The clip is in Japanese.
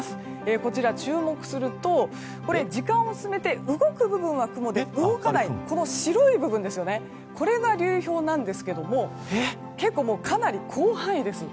こちら、注目すると時間を進めて動く部分は雲で動かない白い部分これが流氷なんですがかなり広範囲です。